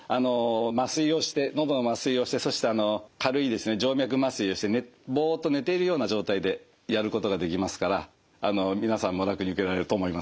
麻酔をして喉の麻酔をしてそして軽い静脈麻酔をしてボッと寝ているような状態でやることができますから皆さんも楽に受けられると思います。